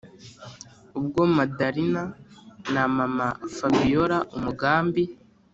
ubwo madalina na mama-fabiora umugambi